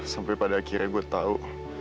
sampai pada akhirnya gue tau